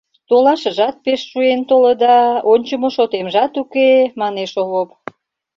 — Толашыжат пеш шуэн толыда, ончымо шотемжат уке, — манеш Овоп.